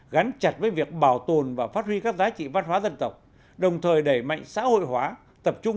gắn chặt với việc bảo tồn và phát huy các giá trị văn hóa dân tộc đồng thời đẩy mạnh xã hội hóa tập trung